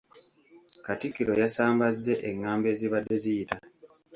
Katikkiro yasambazze engambo ezibadde ziyita.